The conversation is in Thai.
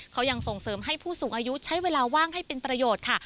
เขายังส่งเสริมให้ผู้สูงอายุใช้เวลาว่างให้เป็นประโยชน์ค่ะ